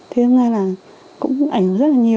thế nên ra là cũng ảnh rất là nhiều